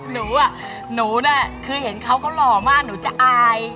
หนูอ่ะหนูน่ะคือเห็นเขาเขาหล่อมากหนูจะอาย